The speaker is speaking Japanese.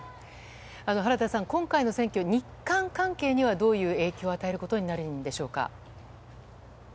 原田さん、今回の選挙日韓関係にはどういう影響を与えることになるんでしょうか？